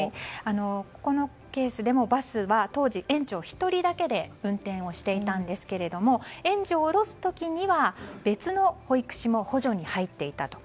このケースでも、バスは当時、園長１人だけで運転をしていたんですが園児を降ろす時には別の保育士も補助に入っていたと。